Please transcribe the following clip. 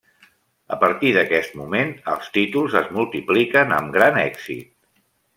A partir d'aquest moment, els títols es multipliquen amb gran èxit.